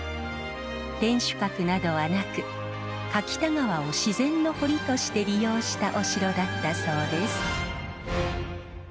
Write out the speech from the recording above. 天守閣などはなく柿田川を自然の堀として利用したお城だったそうです。